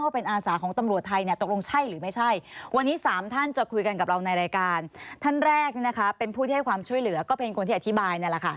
ผู้ที่ให้ความช่วยเหลือก็เป็นคนที่อธิบายนั่นแหละค่ะ